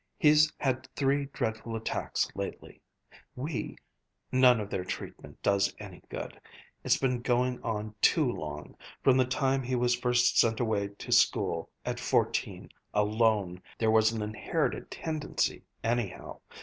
He's had three dreadful attacks lately. We ... none of their treatment does any good. It's been going on too long from the time he was first sent away to school, at fourteen, alone! There was an inherited tendency, anyhow.